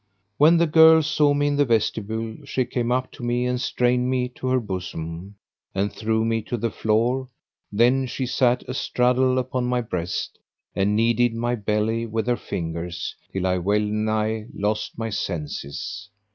When the girl saw me in the vestibule, she came up to me and strained me to her bosom, and threw me to the floor; then she sat astraddle upon my breast and kneaded my belly with her fingers, till I well nigh lost my senses.